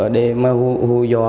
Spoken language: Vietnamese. để mà hù dò